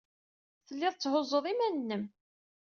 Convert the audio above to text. Tellid tetthuzzud iman-nnem.